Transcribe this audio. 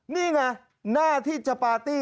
นี่ไงหน้าที่จะปาร์ตี้